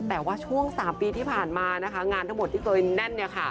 แต่ว่าช่วง๓ปีที่ผ่านมานะคะงานทั้งหมดที่เคยแน่น